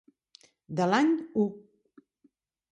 De l'any u.